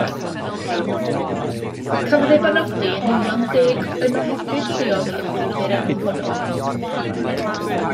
Cafodd ei benodi yn union deg yn ohebydd lleol i'r papur enwog hwnnw.